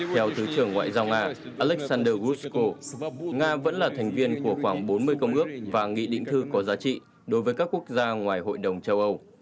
theo thứ trưởng ngoại giao nga alexander gushko nga vẫn là thành viên của khoảng bốn mươi công ước và nghị định thư có giá trị đối với các quốc gia ngoài hội đồng châu âu